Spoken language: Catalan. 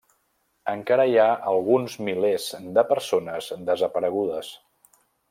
Encara hi ha alguns milers de persones desaparegudes.